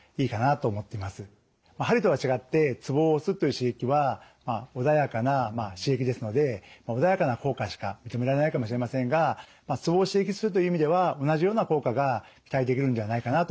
鍼とは違ってツボを押すという刺激は穏やかな刺激ですので穏やかな効果しか認められないかもしれませんがツボを刺激するという意味では同じような効果が期待できるんではないかなと思います。